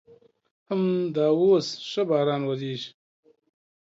همدا اوس ښه باران ورېږي.